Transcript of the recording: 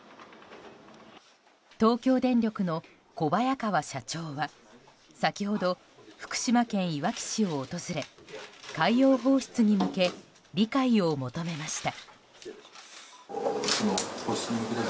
東京電力の小早川社長は先ほど、福島県いわき市を訪れ海洋放出に向け理解を求めました。